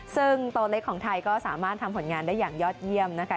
ซึ่งโตเล็กของไทยก็สามารถทำผลงานได้อย่างยอดเยี่ยมนะคะ